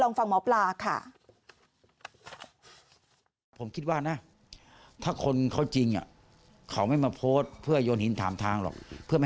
ฟังหมอปลาค่ะ